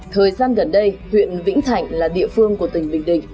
thời gian gần đây huyện vĩnh thạnh là địa phương của tỉnh bình định